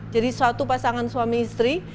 jadi satu pasangan suami istri